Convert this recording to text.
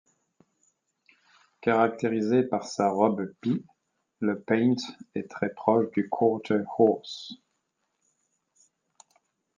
Caractérisé par sa robe pie, le Paint est très proche du Quarter horse.